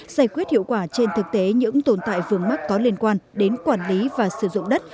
giải quyết hiệu quả trên thực tế những tồn tại vườn mắt có liên quan đến quản lý và sử dụng đất